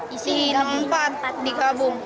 di empat di gabung